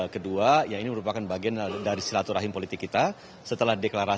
kedua yang ini merupakan bagian dari silaturahim politik kita